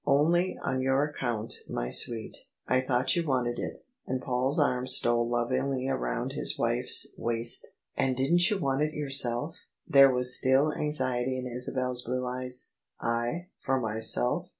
" Only on your account, my sweet. I thou^t you wanted it." And Paul's arm stole lovingly around his wife's waist. "And didn't you want it yourself?" There was still anxiety in Isabel's blue eyes. "I? — for myself?